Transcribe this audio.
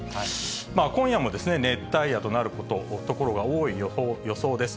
今夜も熱帯夜となる所が多い予想です。